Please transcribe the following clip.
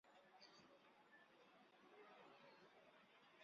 পাহাড়ে হাওয়া খেতে এসে এই ব্যাখ্যার মধ্যে পড়েছিল কুমার মুখুজ্জে–অ্যাটর্নি।